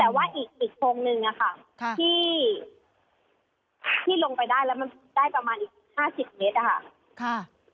แต่ว่าอีกอีกโทรงหนึ่งอะค่ะค่ะที่ที่ลงไปได้แล้วมันได้ประมาณอีกห้าสิบเมตรอะค่ะค่ะ